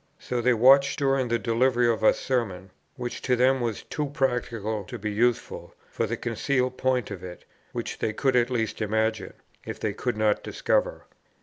So they watched during the delivery of a Sermon, which to them was too practical to be useful, for the concealed point of it, which they could at least imagine, if they could not discover.